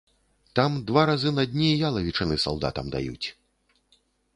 Там два разы на дні ялавічыны салдатам даюць.